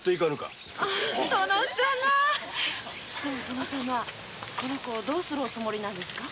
殿様ぁアこの子をどうするつもりなんですか？